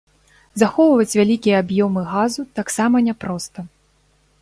Захоўваць вялікія аб'ёмы газу таксама няпроста.